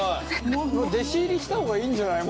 弟子入りした方がいいんじゃない？